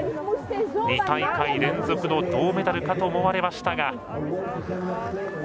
２大会連続の銅メダルかと思われましたが。